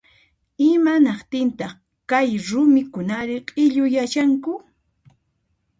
Imanaqtintaq kay rumikunari q'illuyashanku